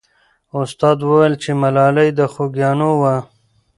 استاد وویل چې ملالۍ د خوګیاڼیو وه.